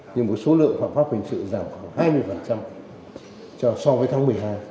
nhưng mà số lượng phạm pháp hình sự giảm khoảng hai mươi so với tháng một mươi hai